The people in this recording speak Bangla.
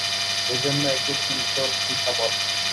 এজন্য একে শীতল শিখা বলে।